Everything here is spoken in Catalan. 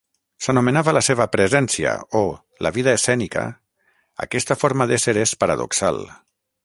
S'anomenava la seva "presència" o "la vida escènica", aquesta forma d'ésser és paradoxal.